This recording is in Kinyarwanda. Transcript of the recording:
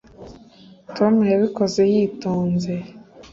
tom yabikoze yitonze